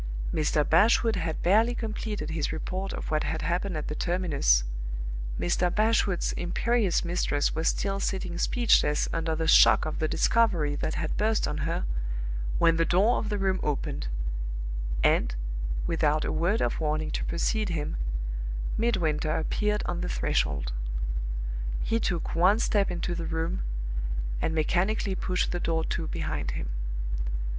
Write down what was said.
Mr. Bashwood had barely completed his report of what had happened at the terminus; Mr. Bashwood's imperious mistress was still sitting speechless under the shock of the discovery that had burst on her when the door of the room opened; and, without a word of warning to proceed him, Midwinter appeared on the threshold. He took one step into the room, and mechanically pushed the door to behind him.